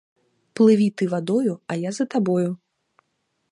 Плыві ты вадою, а я за табою.